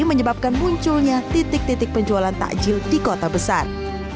menyebabkan munculnya titik titik penjualan takjil di kota besar